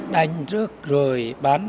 đánh trước rồi bắn